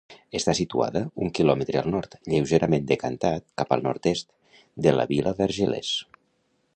Està situada un quilòmetre al nord, lleugerament decantat cap al nord-est, de la vila d'Argelers.